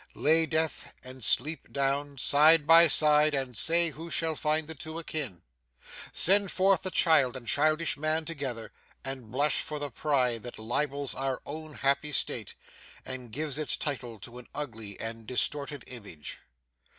Lay death and sleep down, side by side, and say who shall find the two akin. Send forth the child and childish man together, and blush for the pride that libels our own old happy state, and gives its title to an ugly and distorted image.